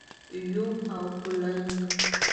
🪏 یوم او کولنګ⛏️